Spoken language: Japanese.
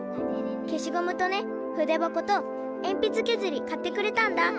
けしゴムとねふでばことえんぴつけずり買ってくれたんだ。